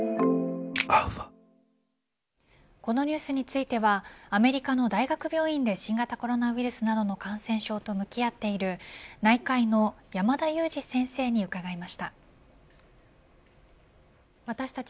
このニュースについてはアメリカの大学病院で新型コロナウイルスなどの感染症と向き合っている内科医の山田悠史先生に伺いました。